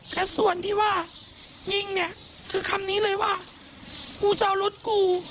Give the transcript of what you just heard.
แต่ส่วนที่ว่ายิงเนี่ยคือคำนี้เลยว่ากูจะเอารถกู